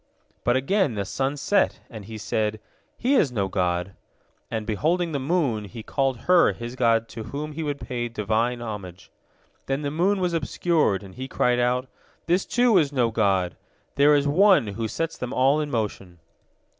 But again the sun set, and he said, "He is no god," and beholding the moon, he called her his god to whom he would pay Divine homage. Then the moon was obscured, and he cried out: "This, too, is no god! There is One who sets them all in motion."